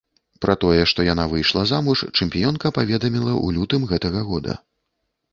Пра тое, што яна выйшла замуж, чэмпіёнка паведаміла ў лютым гэтага года.